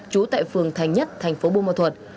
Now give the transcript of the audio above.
trú tại phường thành nhất thành phố bô ma thuật